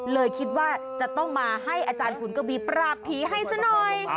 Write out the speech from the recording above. เลยคิดว่าจะต้องมาให้อาจารย์ขุนกบีปราบผีให้ซะหน่อย